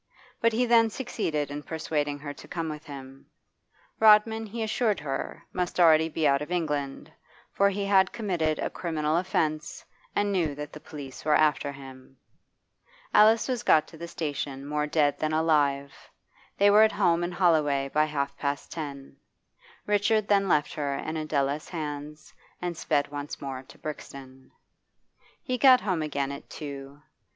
But he then succeeded in persuading her to come with him; Rodman, he assured her, must already be out of England, for he had committed a criminal offence and knew that the police were after him. Alice was got to the station more dead than alive; they were at home in Holloway by half past ten. Richard then left her in Adela's hands and sped once more to Brixton. He got home again at two.